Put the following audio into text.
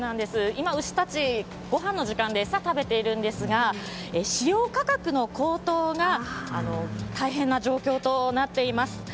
今、牛たちはごはんの時間で餌を食べているんですが飼料価格の高騰が大変な状況となっています。